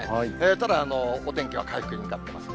ただ、お天気は回復に向かってます。